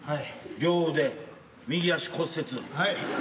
両腕右足骨折？